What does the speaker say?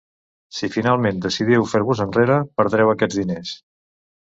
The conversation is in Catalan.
Si finalment decidiu fer-vos enrere, perdreu aquests diners.